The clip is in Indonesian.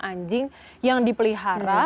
anjing yang dipelihara